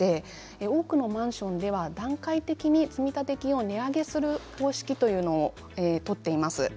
多くのマンションでは段階的に積立金も値上げする方式を取っています。